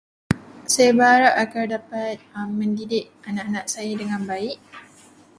Saya berharap agar dapat mendidik anak-anak saya dengan baik.